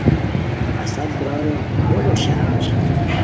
اسد برارو بو لوٹ شران شیر ۔۔۔